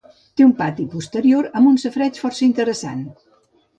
Té un pati posterior amb un safareig força interessant.